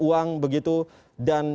uang begitu dan